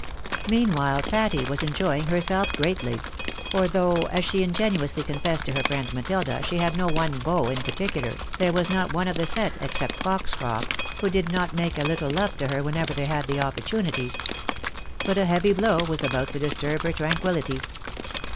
Meanwhile, Patty was enjoying herself greatly ; for though, as she ingenuously confesse^d to her friend Matilda, she had no one lean in particular, there was not one of the set, except Foxcroft, who did not make a little love to her whenever they had an opportunity. But a heavy blow was about to disturb her tranquillity.